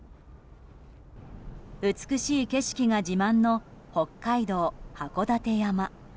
美しい景色が自慢の北海道・函館山。